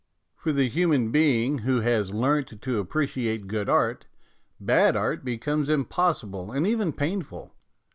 For the human being who has learnt to appreciate good art, bad art becomes impos sible and even painful.